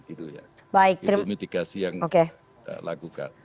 itu mitigasi yang dilakukan